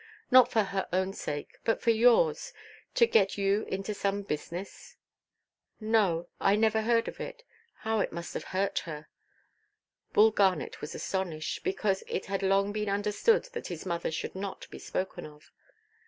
Not for her own sake, but for yours, to get you into some business." "No, I never heard of it. How it must have hurt her!" Bull Garnet was astonished; because it had long been understood that his mother should not be spoken of.